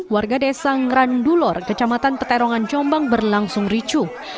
warga desa ngerandulor kecamatan peterongan jombang berlangsung ricuh